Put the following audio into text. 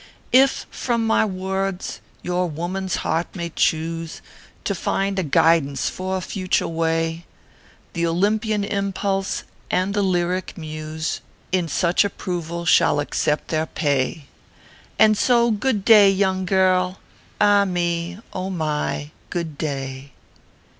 If from my words your woman s heart may choose To find a guidance for a future way, The Olympian impulse and the lyric muse In such approval shall accept their pay. And so, good day, young girl ah me ! oh my ! good day.